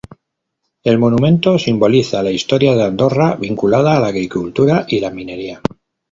El monumento simboliza la historia de Andorra, vinculada a la agricultura y la minería.